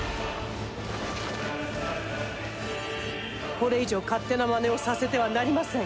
これ以上勝手なまねをさせてはなりません。